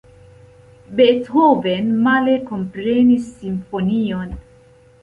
Beethoven male komponis simfonion.